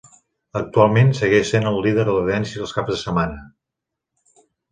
Actualment, segueix sent el líder d'audiència els caps de setmana.